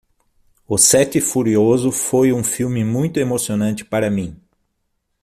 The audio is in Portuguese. O sete furioso foi um filme muito emocionante para mim.